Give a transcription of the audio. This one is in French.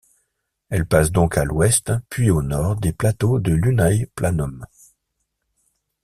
Elle passe donc à l'ouest puis au nord des plateaux de Lunae Planum.